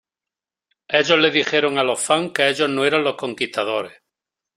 Ellos les dijeron a los fans que ellos no eran los Conquistadores.